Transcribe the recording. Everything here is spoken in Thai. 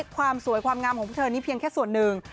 ความสวยความงามของพวกเธอนี้เพียงแค่ส่วนหนึ่ง